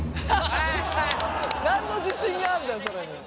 何の自信なんだよそれ！